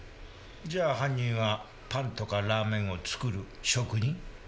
じゃあ犯人はパンとかラーメンを作る職人？